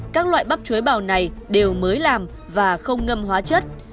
các loại bắp chuối bào này đều mới làm và không ngâm hóa chất